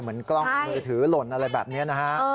กล้องมือถือหล่นอะไรแบบนี้นะฮะ